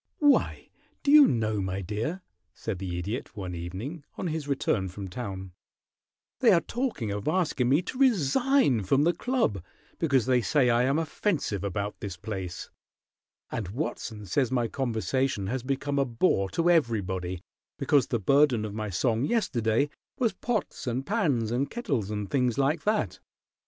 "Why, do you know, my dear," said the Idiot one evening, on his return from town, "they are talking of asking me to resign from the club because they say I am offensive about this place, and Watson says my conversation has become a bore to everybody because the burden of my song yesterday was pots and pans and kettles and things like that?"